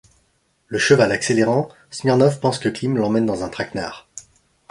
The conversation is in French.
Le cheval accélérant, Smirnov pense que Klim l’emmène dans un traquenard.